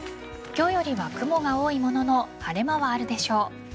今日よりは雲が多いものの晴れ間はあるでしょう。